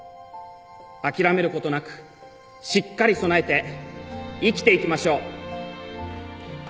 諦める事なくしっかり備えて生きていきましょう。